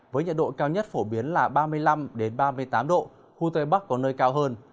với nhiệt độ cao nhất phổ biến là ba mươi năm ba mươi tám độ khu tây bắc có nơi cao hơn